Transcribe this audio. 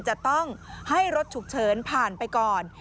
จะต้องให้รถฉุกเฉินผ่านไปก่อน